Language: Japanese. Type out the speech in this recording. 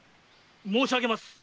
・申し上げます。